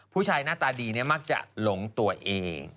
ผู้ชายหน้าตาดีมักจะหลงตัวเอง